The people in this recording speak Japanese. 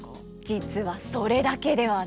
実はそれだけではないんです。